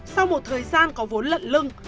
sau một thời gian có vốn lận lưng